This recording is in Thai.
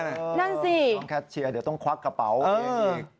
นั่นสิต้องแคทเชียร์เดี๋ยวต้องควักกระเป๋าเองอีก